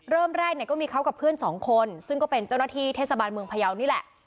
เริ่มแรกเนี่ยก็มีเขากับเพื่อนสองคนซึ่งก็เป็นเจ้าหน้าที่เทศบาลเมืองพยาวนี่แหละ